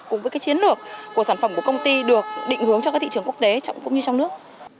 cùng với chiến lược của sản phẩm của công ty được định hướng cho các thị trường quốc tế cũng như trong nước